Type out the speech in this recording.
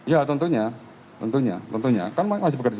ya tentunya tentunya tentunya kan masih bekerja oke apa apa